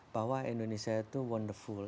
bahwa indonesia itu wonderful